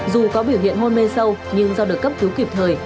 dù có biểu hiện hôn mê sâu nhưng do được cấp cứu kịp thời